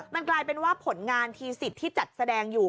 มันกลายเป็นว่าผลงานทีสิทธิ์ที่จัดแสดงอยู่